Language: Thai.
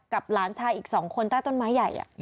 หลานชายอีก๒คนใต้ต้นไม้ใหญ่